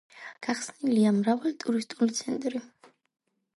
გახსნილია მრავალი ტურისტული ცენტრი.